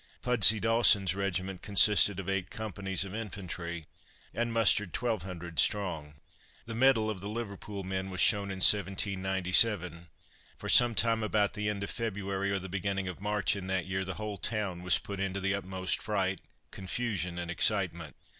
Pudsey Dawson's regiment consisted of eight companies of infantry, and mustered 1200 strong. The mettle of the Liverpool men was shown in 1797, for some time about the end of February or the beginning of March, in that year the whole town was put into the utmost fright, confusion and excitement.